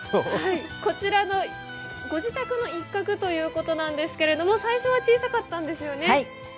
こちらのご自宅の一角ということなんですけれども最初は小さかったんですよね。